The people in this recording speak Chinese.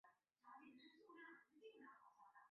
格里普和费尔罗还发现了他们理论中的其他问题。